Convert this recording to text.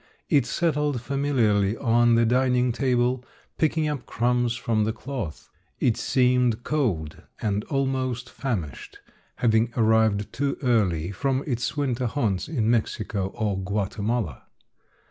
It settled familiarly on the dining table, picking up crumbs from the cloth. It seemed cold and almost famished, having arrived too early from its winter haunts in Mexico or Guatemala.